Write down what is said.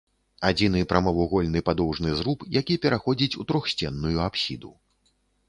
Адзіны прамавугольны падоўжны зруб, які пераходзіць у трохсценную апсіду.